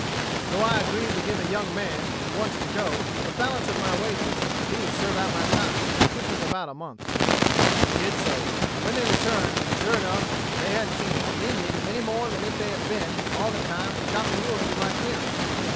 So I agreed to give a young man, who wanted to go, the balance of my wages, if he would serve out my time, which was about a month. "He did so. And when they returned, sure enough they hadn't seen an Indian any more than if they had been, all the time, chopping wood in my clearing.